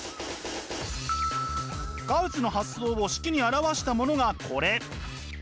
ガウスの発想を式に表したものがこれ！